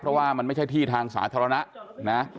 เพราะว่ามันไม่ใช่ที่ทางสาธารณะนะ